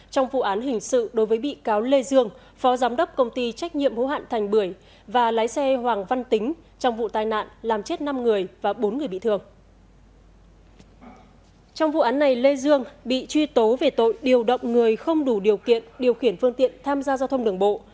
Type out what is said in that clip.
trong vụ án này lê dương bị truy tố về tội điều động người không đủ điều kiện điều khiển phương tiện tham gia giao thông đường bộ